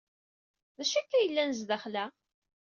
D acu akka ay yellan sdaxel-a?